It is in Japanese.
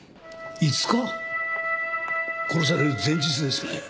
殺される前日ですね。